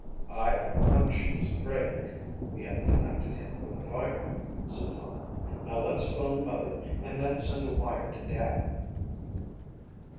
"I have a hunch he was afraid we had connected him with the fire," said Tom. "Now let's phone mother and then send a wire to Dad."